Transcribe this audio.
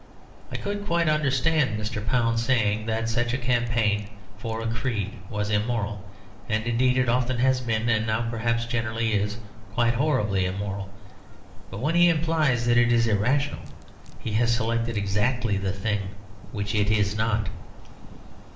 I could quite understand Mr. Pound saying that such a campaign for a creed was immoral; and indeed it often has been, and now perhaps generally is, quite horribly immoral. But when he implies that it is irrational he has selected exactly the thing which it is not.